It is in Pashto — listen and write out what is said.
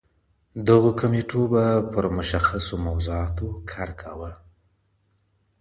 دغو کمیټو به پر مشخصو موضوعاتو کار کاوه.